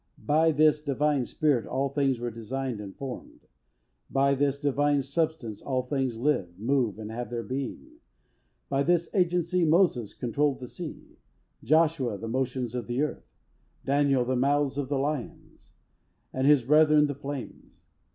By this divine Spirit all things were designed and formed. By this divine Substance all things live, move, and have a being. By this agency Moses controlled the sea; Joshua, the motions of the earth; Daniel, the mouths of the lions; and his brethren, the flames.